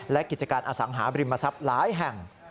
และกิจการอสังหาบริมทรัพย์หลายแห่ง